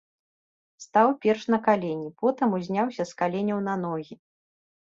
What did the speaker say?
Стаў перш на калені, потым узняўся з каленяў на ногі.